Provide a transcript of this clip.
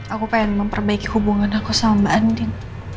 aku ingin memperbaiki hubungan aku sama mbak andin